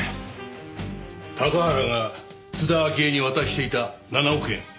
高原が津田明江に渡していた７億円